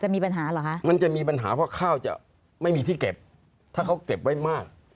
มันจะมีปัญหาเพราะข้าวจะไม่มีที่เก็บถ้าเขาเก็บไว้มาก